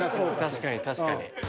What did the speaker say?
確かに確かに。